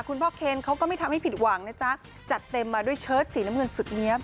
คุณพ่อเคนเขาก็ไม่ทำให้ผิดหวังนะจ๊ะจัดเต็มมาด้วยเชิดสีน้ำเงินสุดเนี๊ยม